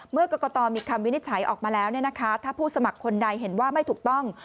เมื่อกรกตมีคำวินิจฉัยออกมาแล้วถ้าผู้สมัครคนใดเห็นว่าไม่ถูกต้อง